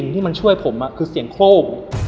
สิ่งที่ช่วยผมคือเสี่ยงโคม